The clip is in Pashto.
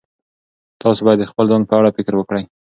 تاسو باید د خپل ځان په اړه فکر وکړئ.